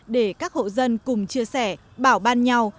để các hộ dân cùng chia sẻ bảo ban nhau